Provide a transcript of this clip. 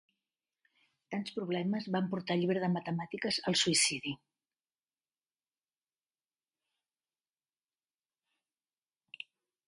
Tants problemes van portar el llibre de matemàtiques al suïcidi.